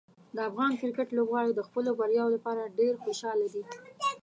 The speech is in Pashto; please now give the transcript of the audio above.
د افغان کرکټ لوبغاړي د خپلو بریاوو لپاره ډېر خوشحاله دي.